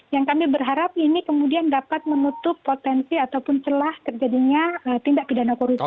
yang kami berharap ini kemudian dapat menutup potensi ataupun celah terjadinya tindak pidana korupsi